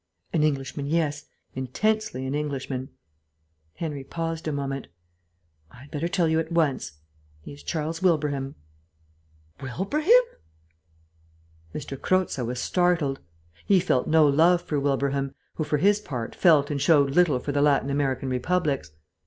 "An Englishman, yes. Intensely an Englishman." Henry paused a moment. "I had better tell you at once; he is Charles Wilbraham." "Wilbraham!" M. Croza was startled. He felt no love for Wilbraham, who, for his part, felt and showed little for the Latin American republics.